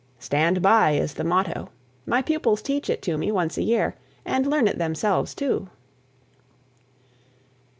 "Stand by" is the motto. My pupils teach it to me once a year and learn it themselves, too.